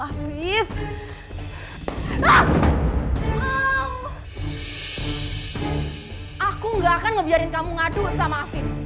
aku nggak akan ngebiarin kamu ngaduk sama